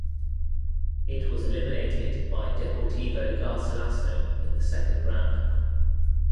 It was eliminated by Deportivo Garcilaso in the Second Round.